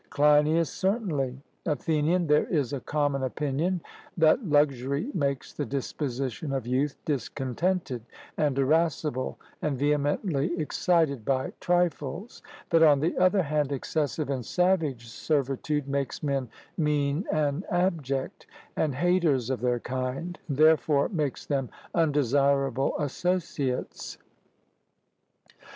CLEINIAS: Certainly. ATHENIAN: There is a common opinion, that luxury makes the disposition of youth discontented and irascible and vehemently excited by trifles; that on the other hand excessive and savage servitude makes men mean and abject, and haters of their kind, and therefore makes them undesirable associates.